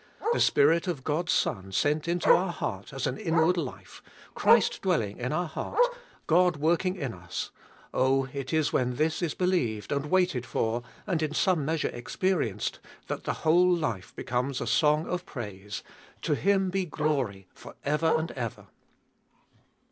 The Spirit of God's Son sent into our heart as an inward life, Christ dwelling in our 548 ube Ibotiest of Bll heart, God working in us — oh, it is when this is believed, and waited for, and in some measure experienced, that the whole life becomes a song of praise : To Him be glory for ever and ever